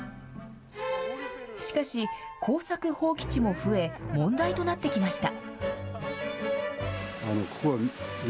しかし、耕作放棄地も増え、問題となってきました。